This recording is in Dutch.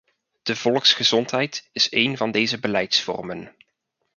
De volksgezondheid is een van deze beleidsvormen.